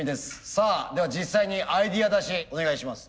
さあでは実際にアイデア出しお願いします。